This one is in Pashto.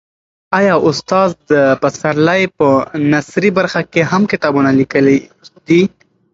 آیا استاد پسرلی په نثري برخه کې هم کتابونه لیکلي دي؟